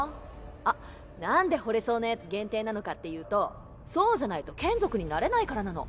あっ何でほれそうなやつ限定なのかっていうとそうじゃないと眷属になれないからなの。